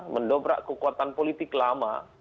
mendobrak kekuatan politik lama